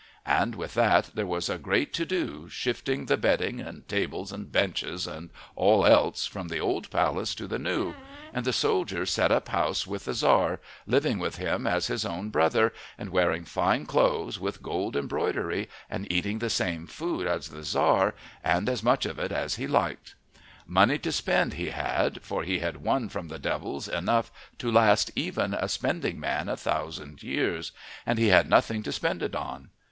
And with that there was a great to do shifting the bedding and tables and benches and all else from the old palace to the new, and the soldier set up house with the Tzar, living with him as his own brother, and wearing fine clothes with gold embroidery, and eating the same food as the Tzar, and as much of it as he liked. Money to spend he had, for he had won from the devils enough to last even a spending man a thousand years. And he had nothing to spend it on.